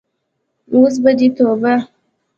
اوس به دې توبه.